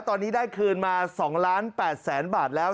ตอนนี้ได้คืนมา๒ล้าน๘แสนบาทแล้ว